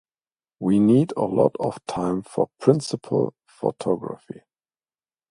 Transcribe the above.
We need a lot of time for principal photography.